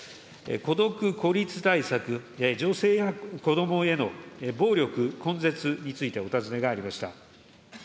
孤独・孤立対策、女性や子どもへの暴力根絶についてお尋ねがありました。